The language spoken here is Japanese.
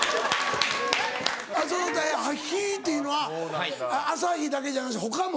そのヒっていうのは「朝日」だけじゃなし他も？